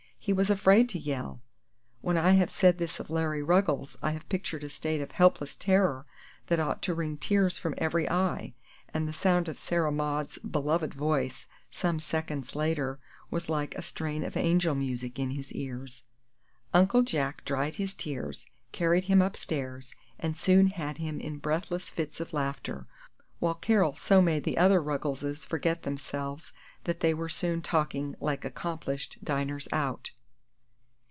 He was afraid to yell! When I have said this of Larry Ruggles I have pictured a state of helpless terror that ought to wring tears from every eye; and the sound of Sarah Maud's beloved voice, some seconds later, was like a strain of angel music in his ears. Uncle Jack dried his tears, carried him upstairs, and soon had him in breathless fits of laughter, while Carol so made the other Ruggleses forget themselves that they were soon talking like accomplished diners out.